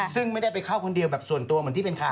ซึ่งไม่ได้ไปเข้าคนเดียวแบบส่วนตัวเหมือนที่เป็นข่าว